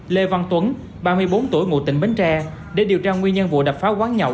lê văn tuấn ba mươi bốn tuổi ngụ tỉnh bến tre để điều tra nguyên nhân vụ đập phá quán nhậu